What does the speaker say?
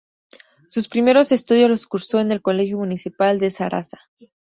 Sus primeros estudios los cursó en el Colegio Municipal de Zaraza.